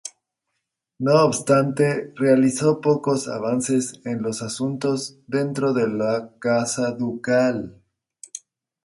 No obstante, realizó pocos avances en los asuntos dentro de la casa ducal.